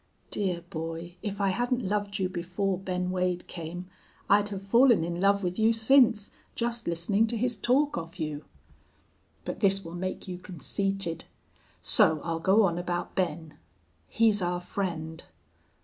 Dear boy, if I hadn't loved you before Ben Wade came I'd have fallen in love with you since, just listening to his talk of you. But this will make you conceited. So I'll go on about Ben. He's our friend.